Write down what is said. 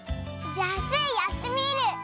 じゃあスイやってみる！